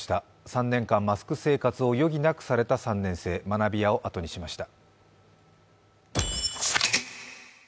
３年間、マスク生活を余儀なくされた３年生、学びやを後にしました。